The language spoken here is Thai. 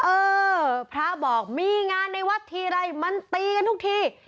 เออพระบอกมีงานในวัดทีไรมันตีกันทุกที